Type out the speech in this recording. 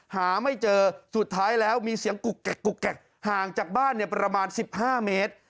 หาไม่เจอสุดท้ายแล้วมีเสียงกุกแกะห่างจากบ้านประมาณ๑๕เมตร